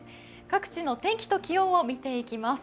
各地の天気と気温を見ていきます。